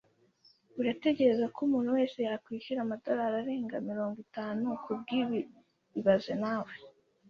Uratekereza ko umuntu wese yakwishyura amadorari arenga mirongo itatu kubwibi ibaze nawe